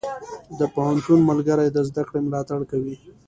د پوهنتون ملګري د زده کړې ملاتړ کوي.